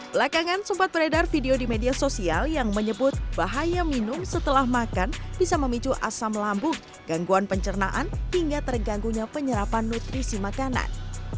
belakangan sempat beredar video di media sosial yang menyebut bahaya minum setelah makan bisa memicu asam lambung gangguan pencernaan hingga terganggunya penyerapan nutrisi makanan